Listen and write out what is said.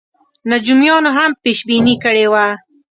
نجومیانو هم پېش بیني کړې وه.